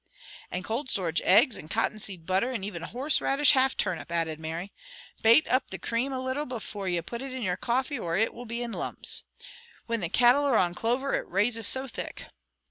"And cold storage eggs, and cotton seed butter, and even horse radish half turnip," added Mary. "Bate up the cream a little before you put it in your coffee, or it will be in lumps. Whin the cattle are on clover it raises so thick."